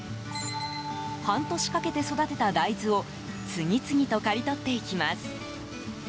半年かけて育てた大豆を次々と刈り取っていきます。